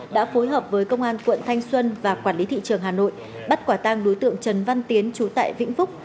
đã phối hợp với công an quận thanh xuân và quản lý thị trường hà nội bắt quả tang đối tượng trần văn tiến trú tại vĩnh phúc